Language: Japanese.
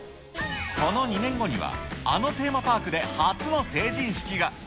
この２年後には、あのテーマパークで、初の成人式が。